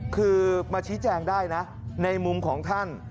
คือมาชี้แจงได้นะในมุมของท่าน